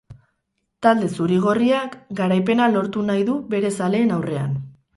Talde zuri-gorriak garaipena lortu nahi du bere zaleen aurrean.